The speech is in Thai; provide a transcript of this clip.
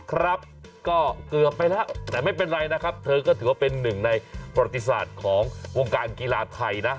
ครับก็เกือบไปแล้วแต่ไม่เป็นไรนะครับเธอก็ถือว่าเป็นหนึ่งในประวัติศาสตร์ของวงการกีฬาไทยนะ